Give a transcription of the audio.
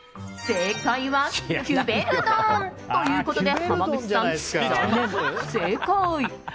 正解はキュベルドンということで濱口さん、不正解。